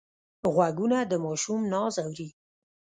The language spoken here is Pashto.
غوږونه د ماشوم ناز اوري